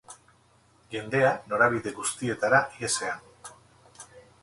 Jendea norabide guztietara ihesean.